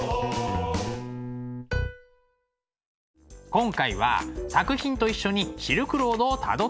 今回は作品と一緒にシルクロードをたどってみました。